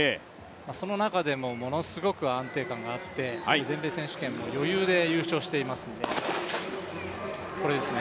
その中でもものすごく安定感があって全米選手権も余裕で優勝していますので。